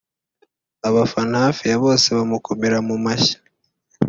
abafana hafi ya bose bamukomera mu mashyi